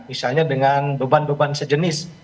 misalnya dengan beban beban sejenis